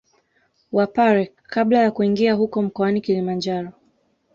Wapare Kabla ya kuingia huko mkoani Kilimanjaro